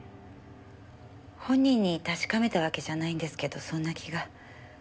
本人に確かめたわけじゃないんですけどそんな気が。